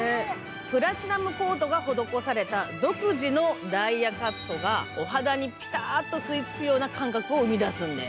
プラチナコートが施された独自のダイヤカットがお肌にピタっと吸いつくような感覚を生み出すんです。